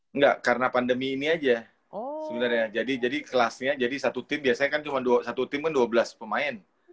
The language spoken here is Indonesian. enggak karena pandemi ini aja sebenarnya jadi kelasnya jadi satu tim biasanya kan cuma satu tim kan dua belas pemain